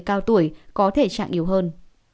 cao tuổi có thể chạm yếu hơn